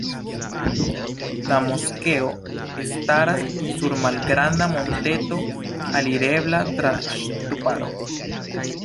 La moskeo staras sur malgranda monteto alirebla tra ŝtuparo.